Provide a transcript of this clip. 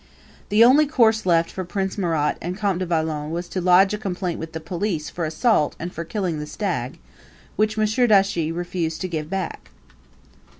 The only course left for Prince Murat and Comte de Valon was to lodge a complaint with the police for assault and for killing the stag, which M. Dauchis refused to give back.